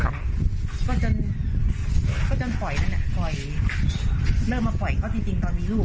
ครับก็จนก็จนปล่อยแล้วน่ะปล่อยเริ่มมาปล่อยก็จริงจริงตอนมีลูกน่ะ